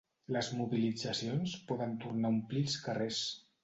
Les mobilitzacions poden tornar a omplir els carrers.